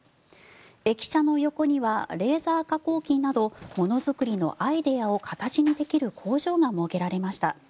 駅舎の横にはレーザー加工機などものづくりのアイデアを形にできる工場が設けられました。